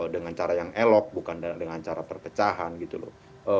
dengan cara yang elok bukan dengan cara perpecahan gitu loh